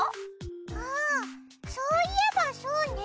あぁそういえばそうね。